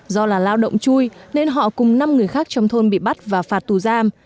do là lao động chui nên họ cùng năm người khác trong thôn bị bắt và phạt tù giam